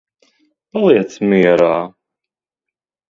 Paliec mierā.